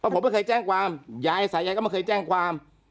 ผมไม่เคยแจ้งความยายสายายก็ไม่เคยแจ้งความ